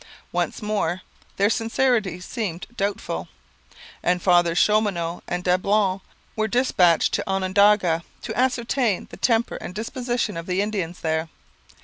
Once more their sincerity seemed doubtful; and Fathers Chaumonot and Dablon were dispatched to Onondaga to ascertain the temper and disposition of the Indians there.